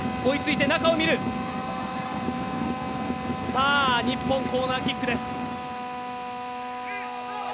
さあ日本、コーナーキックです。